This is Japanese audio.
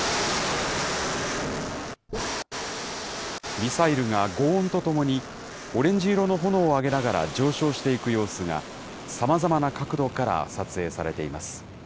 ミサイルがごう音とともにオレンジ色の炎を上げながら上昇していく様子が、さまざまな角度から撮影されています。